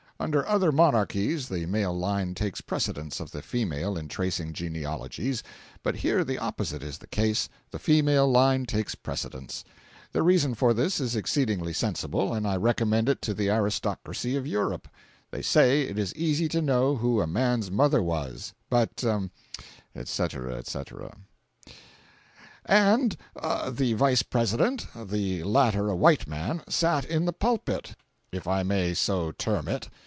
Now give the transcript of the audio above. Under other monarchies the male line takes precedence of the female in tracing genealogies, but here the opposite is the case—the female line takes precedence. Their reason for this is exceedingly sensible, and I recommend it to the aristocracy of Europe: They say it is easy to know who a man's mother was, but, etc., etc.] and the Vice President (the latter a white man,) sat in the pulpit, if I may so term it.